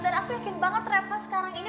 dan aku yakin banget reva sekarang ini